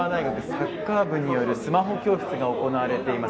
サッカー部によるスマホ教室が行われています。